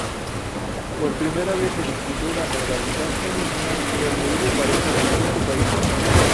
Por primera vez se disputó la modalidad femenina, donde hubo parejas de cinco países.